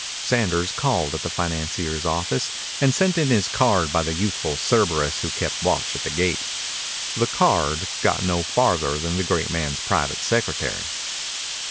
Sanders called at the financier's office and sent in his card by the youthful Cerberus who kept watch at the gate. The card got no farther than the great man's private secretary.